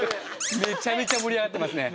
めちゃめちゃ盛り上がってますね